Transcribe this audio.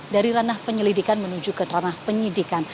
dari ranah penyelidikan menuju ke ranah penyidikan